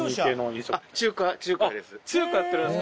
あっ中華中華です。